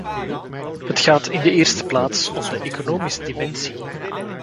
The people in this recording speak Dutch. Het gaat hier in de eerste plaats om de economische dimensie.